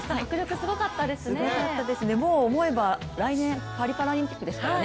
すごかったですね、もう思えば来年パリパラリンピックですからね。